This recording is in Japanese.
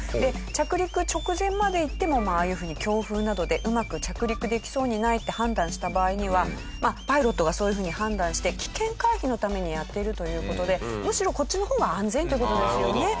着陸直前までいってもああいうふうに強風などでうまく着陸できそうにないって判断した場合にはパイロットがそういうふうに判断して危険回避のためにやっているという事でむしろこっちの方が安全という事ですよね。